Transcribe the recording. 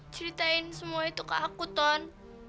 ceritain semua itu ke aku ton